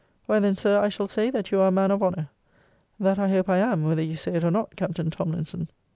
Why then, Sir, I shall say, that you are a man of honour. That I hope I am, whether you say it or not, Captain Tomlinson.